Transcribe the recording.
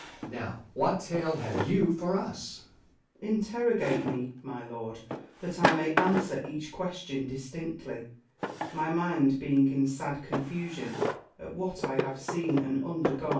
Now what tale have you for us 1 Spenser. Interrogate me, my lord, that I may answer each question distinctly, my mind being in sad confusion at what I have seen and undergone.